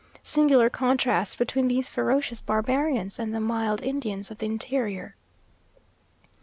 Singular contrast between these ferocious barbarians and the mild Indians of the interior!